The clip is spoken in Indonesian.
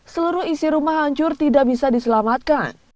seluruh isi rumah hancur tidak bisa diselamatkan